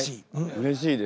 うれしいです。